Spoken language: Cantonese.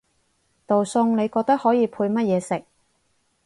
道餸你覺得可以配乜嘢食？